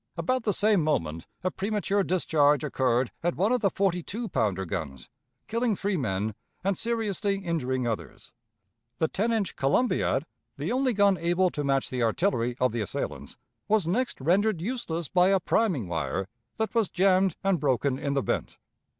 About the same moment a premature discharge occurred at one of the forty two pounder guns, killing three men and seriously injuring others. The ten inch columbiad, the only gun able to match the artillery of the assailants, was next rendered useless by a priming wire that was jammed and broken in the vent.